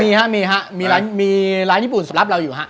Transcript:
มีฮะมีฮะมีร้านมีร้านญี่ปุ่นสำหรับเราอยู่ฮะ